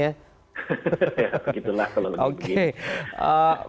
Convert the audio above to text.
begitulah kalau begitu